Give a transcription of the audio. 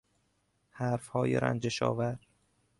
حرفهای رنجش آور